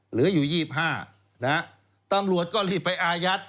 เหลืออยู่๒๕นะฮะตำรวจก็รีบไปอายัด